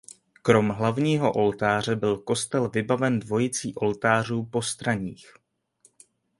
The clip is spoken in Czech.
Krom hlavního oltáře byl kostel vybaven dvojicí oltářů postranních.